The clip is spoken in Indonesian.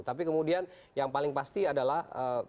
tapi kemudian yang paling pasti adalah